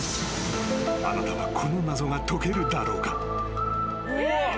あなたはこの謎が解けるだろうか。